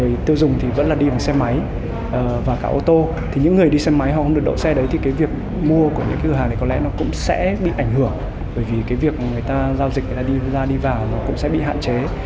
bởi vì việc người ta giao dịch người ta đi ra đi vào cũng sẽ bị hạn chế